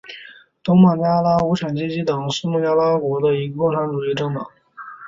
东孟加拉无产阶级党是孟加拉国的一个共产主义政党。